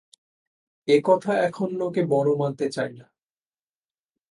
এ-কথা এখন লোকে বড় মানতে চায় না।